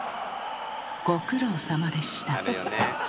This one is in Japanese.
ご苦労さまでした。